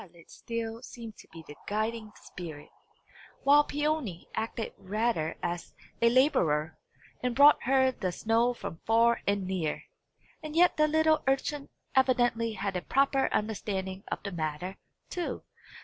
Violet still seemed to be the guiding spirit, while Peony acted rather as a labourer, and brought her the snow from far and near. And yet the little urchin evidently had a proper understanding of the matter, too!